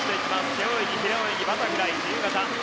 背泳ぎ、平泳ぎバタフライ、自由形。